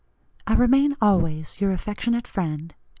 I remain always your affectionate friend.